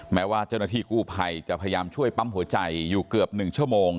แม้ว่าเจ้าหน้าที่กู้ภัยจะพยายามช่วยปั๊มหัวใจอยู่เกือบ๑ชั่วโมง